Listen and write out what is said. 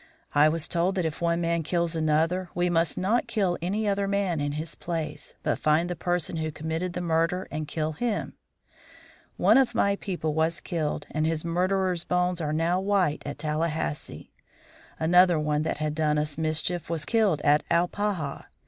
I was told that if one man kills another we must not kill any other man in his place, but find the person who committed the murder and kill him. One of my people was killed and his murderer's bones are now white at Tallahassee. Another one that had done us mischief was killed at Alpaha.